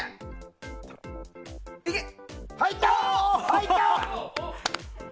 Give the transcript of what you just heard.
入った！